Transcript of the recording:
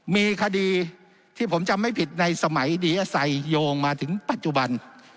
มีคดีที่ผมจำไม่ผิดในสมัยดีอาศัยโยงมาถึงปัจจุบัน